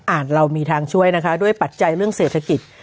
เรามีทางช่วยนะคะด้วยปัจจัยเรื่องเศรษฐกิจ